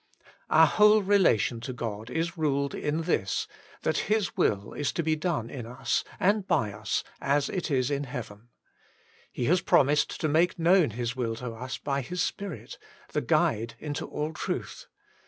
Our whole relation to God is ruled in this, that His will is to be done in us and by us as it is in heaven. He has promised to make known His will to us by His Spirit, the Guide into all truth.